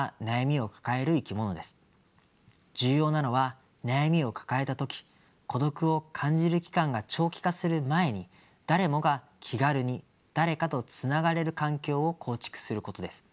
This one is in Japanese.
重要なのは悩みを抱えた時孤独を感じる期間が長期化する前に誰もが気軽に誰かとつながれる環境を構築することです。